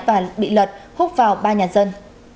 và bị lật hút vào ba nhà dân